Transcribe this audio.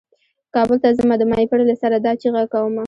کابل ته ځمه د ماهیپر له سره دا چیغه کومه.